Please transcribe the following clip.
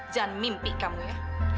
jangan mimpi kamu ya